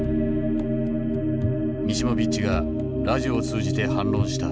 ミシモビッチがラジオを通じて反論した。